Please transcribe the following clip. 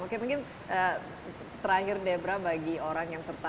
oke mungkin terakhir debra bagi orang yang tertarik